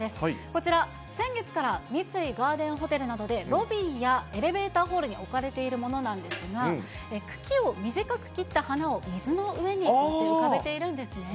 こちら、先月から三井ガーデンホテルなどでロビーや、エレベーターホールに置かれているものなんですが、茎を短く切った花を水の上に、こうやって浮かべているんですね。